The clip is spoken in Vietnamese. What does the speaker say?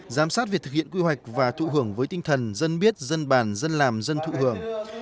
giám sát việc thực hiện quy hoạch và thụ hưởng với tinh thần dân biết dân bàn dân làm dân thụ hưởng